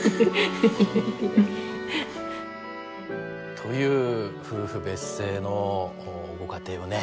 という夫婦別姓のご家庭をね